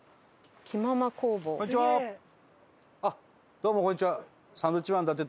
どうもこんにちは。